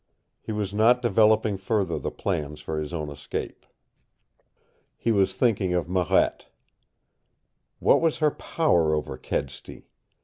He was not developing further the plans for his own escape. He was thinking of Marette. What was her power over Kedsty?